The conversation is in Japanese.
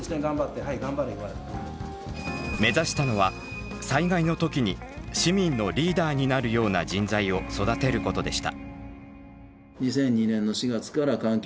目指したのは災害の時に市民のリーダーになるような人材を育てることでした。